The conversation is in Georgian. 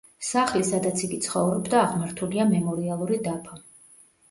სახლი, სადაც იგი ცხოვრობდა აღმართულია მემორიალური დაფა.